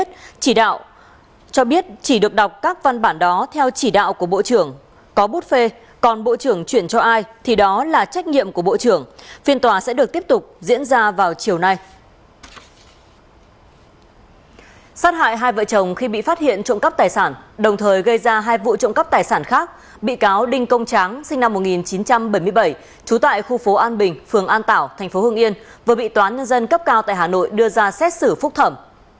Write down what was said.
tại hai vợ chồng khi bị phát hiện trộm cắp tài sản đồng thời gây ra hai vụ trộm cắp tài sản khác bị cáo đinh công tráng sinh năm một nghìn chín trăm bảy mươi bảy trú tại khu phố an bình phường an tảo thành phố hương yên vừa bị toán nhân dân cấp cao tại hà nội đưa ra xét xử phúc thẩm